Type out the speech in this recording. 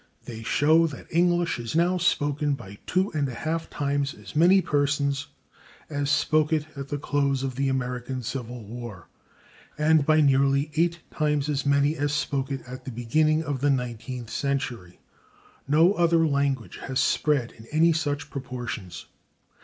They show that English is now spoken by two and a half times as many persons as spoke it at the close of the American Civil War and by nearly eight times as many as spoke it at the beginning of the nineteenth century. No other language has spread in any such proportions.